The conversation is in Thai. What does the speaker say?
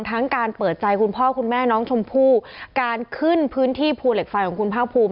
การเปิดใจคุณพ่อคุณแม่น้องชมพู่การขึ้นพื้นที่ภูเหล็กไฟของคุณภาคภูมิ